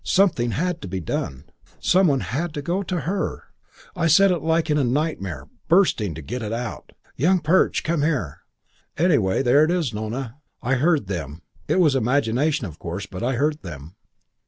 Something had to be done. Some one had to go to her. I said it like in a nightmare, bursting to get out of it, 'Young Perch. Come here.' Anyway, there it is, Nona. I heard them. It was imagination, of course. But I heard them."